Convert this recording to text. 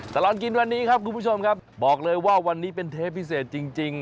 ตลอดกินวันนี้ครับคุณผู้ชมครับบอกเลยว่าวันนี้เป็นเทปพิเศษจริง